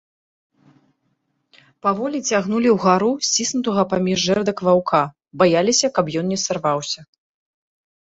Паволі цягнулі ўгару сціснутага паміж жэрдак ваўка, баяліся, каб ён не сарваўся.